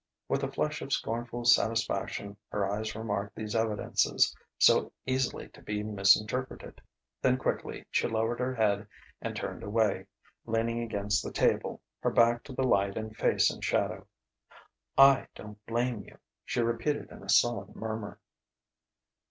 With a flush of scornful satisfaction her eyes remarked these evidences, so easily to be misinterpreted; then quickly she lowered her head and turned away, leaning against the table, her back to the light and face in shadow. "I don't blame you," she repeated in a sullen murmur.